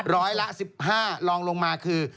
ร้อยละ๑๕ลองลงมาคือ